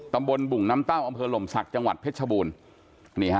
บุ่งน้ำเต้าอำเภอหล่มศักดิ์จังหวัดเพชรชบูรณ์นี่ฮะ